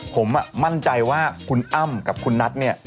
ผมมั่นใจว่าคุณอ้ำกับคุณนัทเนี่ย